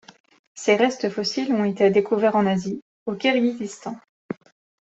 Ses restes fossiles ont été découverts en Asie, au Kirghizistan.